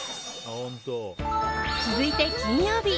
続いて金曜日。